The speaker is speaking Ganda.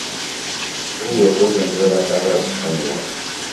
nkooye okwetondera abataagala kunsonyiwa.